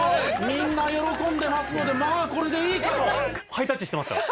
「みんな喜んでますのでまあこれでいいかと」ハイタッチしてますから。